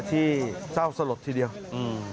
ที่เศร้าสลดทีเดียวอืม